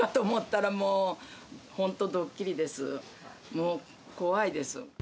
もう怖いです。